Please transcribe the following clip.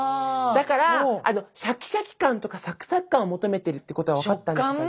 だからシャキシャキ感とかサクサク感を求めてるってことが分かったんですよ